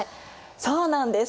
そうなんです。